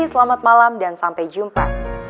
selamat malam dan sampai jumpa